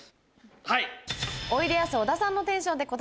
はい。